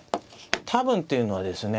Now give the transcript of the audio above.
多分っていうのはですね